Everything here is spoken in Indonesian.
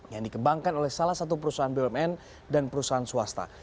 yang dikembangkan oleh salah satu perusahaan bumn dan perusahaan swasta